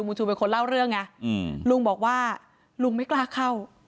ชูเป็นคนเล่าเรื่องไงลุงบอกว่าลุงไม่กล้าเข้า